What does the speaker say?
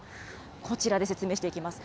こちらで説明していきます。